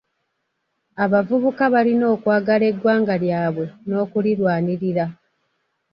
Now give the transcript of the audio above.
Abavubuka balina okwagala eggwanga lyabwe n'okulirwanirira.